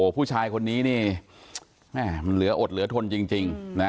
ผู้ชายคนนี้นี่มันเหลืออดเหลือทนจริง